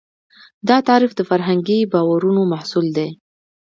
دا تعریف د فرهنګي باورونو محصول دی.